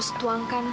p pak man